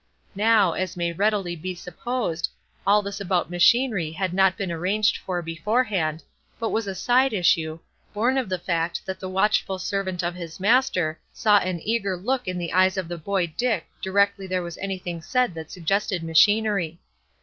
Now, as may readily be supposed, all this about machinery had not been arranged for beforehand, but was a side issue, born of the fact that the watchful servant of his Master saw an eager look in the eyes of the boy Dick directly there was anything said that suggested machinery.